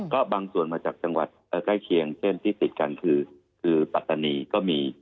ก็บางส่วนมาจากจังหวัดใกล้เคียงเช่นที่ติดกันคือปัตตานีก็มี